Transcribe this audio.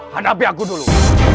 hadapi aku dulu